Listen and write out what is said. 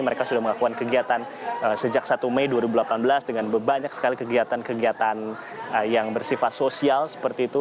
mereka sudah melakukan kegiatan sejak satu mei dua ribu delapan belas dengan banyak sekali kegiatan kegiatan yang bersifat sosial seperti itu